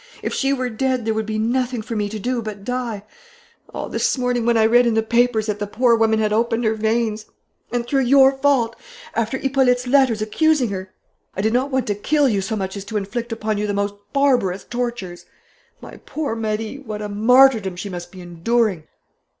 If she were dead, there would be nothing for me to do but die. Oh, this morning, when I read in the papers that the poor woman had opened her veins and through your fault, after Hippolyte's letters accusing her I did not want to kill you so much as to inflict upon you the most barbarous tortures! My poor Marie, what a martyrdom she must be enduring!...